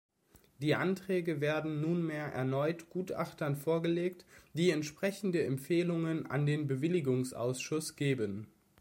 Die Anträge werden nunmehr erneut Gutachtern vorgelegt, die entsprechende Empfehlungen an den Bewilligungsausschuss geben.